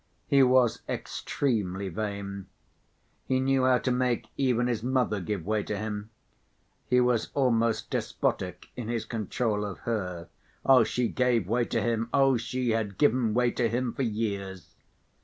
He was extremely vain. He knew how to make even his mother give way to him; he was almost despotic in his control of her. She gave way to him, oh, she had given way to him for years.